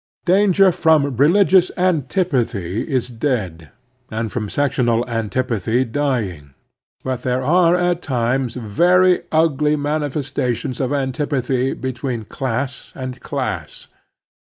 J Danger from rehgious antipathy is dead, and from sectional antipathy dying; but there are at times very ugly manifestations of antipathy be tween class and class.